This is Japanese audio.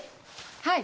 はい。